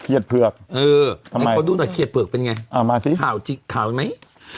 เขียดเผือกเป็นไงขาวใน